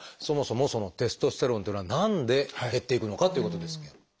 そもそもそのテストステロンっていうのは何で減っていくのかっていうことですけれど。